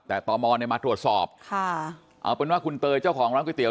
แต่ตอบมอล์มาตรวจสอบเอาเป็นว่าคุณเตยเจ้าของร้านก๋วยเตี๋ยว